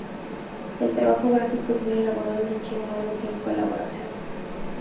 El trabajo gráfico es muy elaborado y requiere un largo tiempo de elaboración.